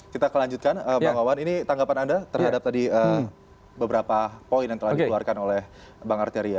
kita akan lanjutkan bang wawan ini tanggapan anda terhadap tadi beberapa poin yang telah dikeluarkan oleh bang arteria